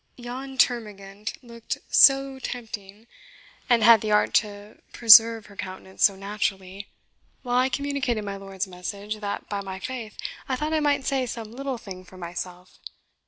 Yon termagant looked so tempting, and had the art to preserve her countenance so naturally, while I communicated my lord's message, that, by my faith, I thought I might say some little thing for myself.